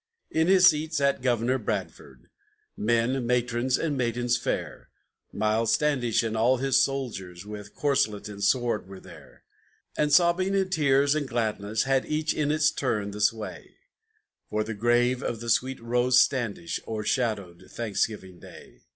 In his seat sate Governor Bradford; men, matrons, and maidens fair; Miles Standish and all his soldiers, with corselet and sword, were there; And sobbing and tears and gladness had each in its turn the sway, For the grave of the sweet Rose Standish o'ershadowed Thanksgiving Day.